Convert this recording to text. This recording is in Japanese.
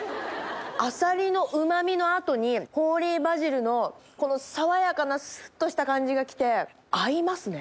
アサリのうまみの後にホーリーバジルのこの爽やかなすっとした感じがきて合いますね。